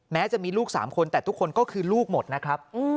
แม้จะมีลูก๓คนแต่ทุกคนก็คือลูกหมดนะครับ